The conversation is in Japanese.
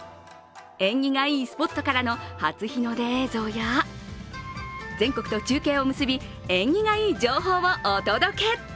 縁起がいいスポットからの初日の出映像や全国と中継を結び縁起がいい情報をお届け。